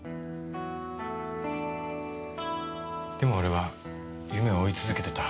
でも俺は夢を追い続けてた。